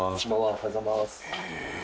おはようございます。